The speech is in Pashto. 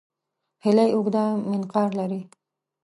هیلۍ اوږده منقار لري